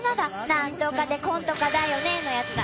なんとかで、こんとかだよねのやつだ！